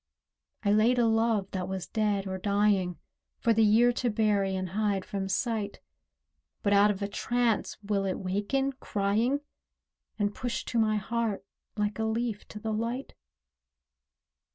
I laid a love that was dead or dying, For the year to bury and hide from sight; But out of a trance will it waken, crying, And push to my heart, like a leaf to the light?